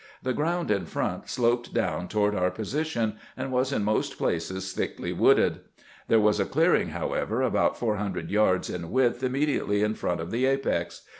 The ground in front sloped down toward our position, and was in most places thickly wooded. There was a clearing, however, about four hundred yards in width immediately in front of the apex.